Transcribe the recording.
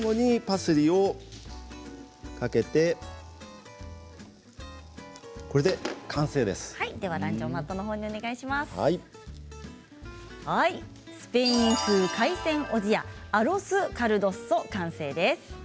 スペイン風海鮮おじやアロス・カルドッソ完成です。